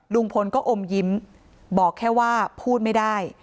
ลุงพลก็อมยิ้มบอกแค่ว่าพูดไม่ได้